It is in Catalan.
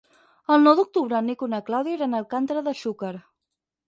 El nou d'octubre en Nico i na Clàudia iran a Alcàntera de Xúquer.